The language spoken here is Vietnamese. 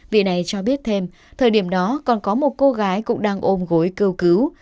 vị này cho biết thêm thời điểm đó còn có một cô gái cũng đang ôm gối kêu cứu